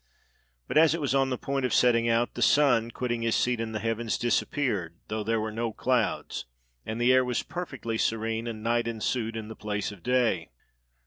But as it was on the point of setting out, the sun, quitting his seat in the heavens, disappeared, though there were no clouds, and the air was perfectly serene, and night ensued in the place of day.